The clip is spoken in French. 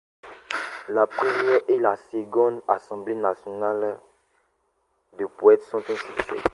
La première et la seconde Assemblée Nationale de poètes sont un succès.